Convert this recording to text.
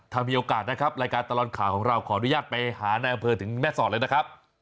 ถ้ามีโอกาสนะครับรายการตลอดข่าวของเราขออนุญาตไปหาในอำเภอถึงแม่สอดเลยนะครับ